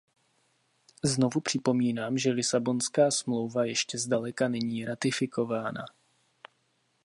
Znovu připomínám, že Lisabonská smlouva ještě zdaleka není ratifikována.